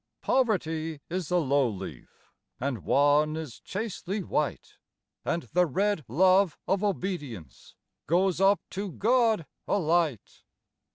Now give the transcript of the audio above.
Poverty is the low leaf, And one is chastely white, And the red love of obedience Goes up to God a light.